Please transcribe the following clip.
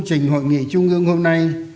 trình hội nghị trung ương hôm nay